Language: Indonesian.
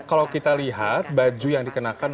kalau kita lihat baju yang dikenakan